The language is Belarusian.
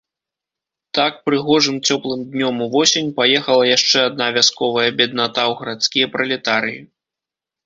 Так, прыгожым цёплым днём увосень, паехала яшчэ адна вясковая бедната ў гарадскія пралетарыі.